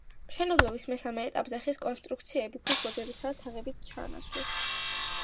მშენებლობის მესამე ეტაპზე ხის კონსტრუქციები ქვის ბოძებითა და თაღებით ჩაანაცვლეს.